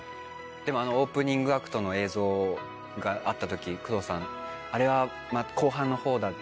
オープニングアクトの映像があった時工藤さん「あれは後半のほうだ」って。